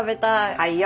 はいよ。